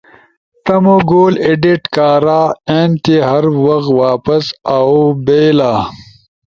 تمو گول ایڈیٹ کارا اینتی ہر وخ واپس او بھئیلا۔